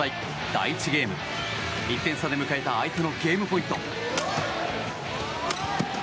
第１ゲーム、１点差で迎えた相手のゲームポイント。